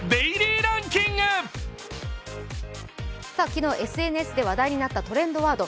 昨日ＳＮＳで話題になったトレンドワード